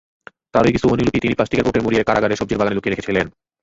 তারই কিছু অনুলিপি তিনি প্লাস্টিকের কৌটায় মুড়িয়ে কারাগারের সবজির বাগানে লুকিয়ে রেখেছিলেন।